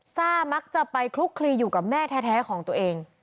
ซ่ามักจะไปคลุกคลีอยู่กับแม่แท้ของตัวเอง